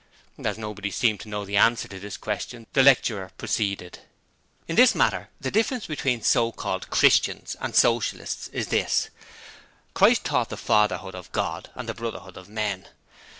As nobody seemed to know the answer to this question, the lecturer proceeded: 'In this matter the difference between so called "Christians" and Socialists is this: Christ taught the Fatherhood of God and the Brotherhood of Men.